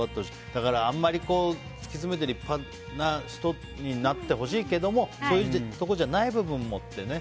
だから、あんまり、突き詰めて立派な人になってほしいけれどそういうところじゃない部分もってね。